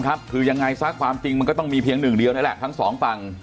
ครับคือยังไงซะความจริงมันก็ต้องมีเพียงหนึ่งเดียวนี่แหละทั้งสองฝั่ง